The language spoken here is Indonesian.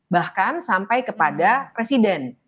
bahkan sampai kepada presiden